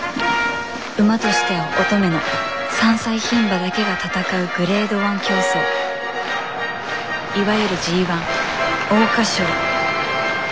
馬としては乙女の３歳牝馬だけが戦うグレードⅠ競走いわゆるＧⅠ桜花賞。